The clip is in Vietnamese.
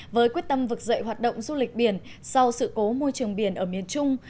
với quyết tâm vực dậy hoạt động du lịch biển sau sự cố môi trường biển ở miền trung